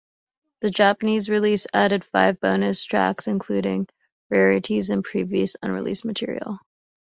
The Japanese release added five bonus tracks, including rarities and previously unreleased material.